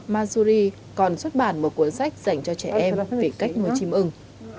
mazuri còn xuất bản một cuốn sách dành cho trẻ em về cách nuôi chim ưng